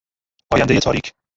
آیندهی تاریک